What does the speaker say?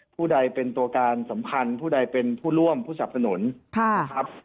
ผู้ใดเป็นตัวการสำคัญผู้ใดเป็นผู้ร่วมผู้สับสนุนนะครับ